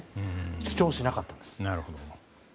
主張しなかったんです。